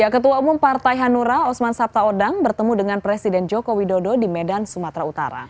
ketua umum partai hanura osman sabta odang bertemu dengan presiden jokowi dodo di medan sumatera utara